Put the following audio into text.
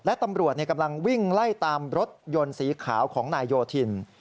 และตำรวจกำลังวิ่งไล่ตามรถยนต์สีขาวของนายโยธิน